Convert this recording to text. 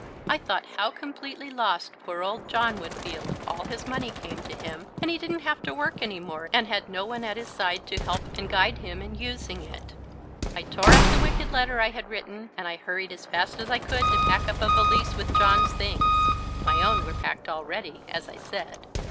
I thought how completely lost poor old John would feel if all this money came to him and he didn't have to work any more and had no one at his side to help and guide him in using it. I tore up the wicked letter I had written, and I hurried as fast as I could to pack up a valise with John's things (my own were packed already, as I said).